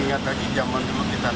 iya waktu saya kembali ke tahun